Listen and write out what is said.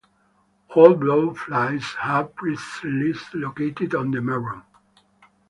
All blow flies have bristles located on the meron.